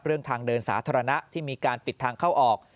ทางเดินสาธารณะที่มีการปิดทางเข้าออก